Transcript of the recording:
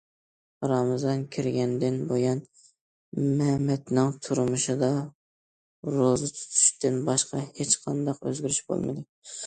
رامىزان كىرگەندىن بۇيان مەمەتنىڭ تۇرمۇشىدا روزا تۇتۇشتىن باشقا ھېچقانداق ئۆزگىرىش بولمىدى.